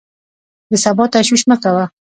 د سبا تشویش مه کوه!